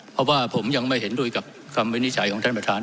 เพราะว่าผมยังไม่เห็นด้วยกับคำวินิจฉัยของท่านประธาน